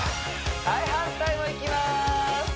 はい反対もいきます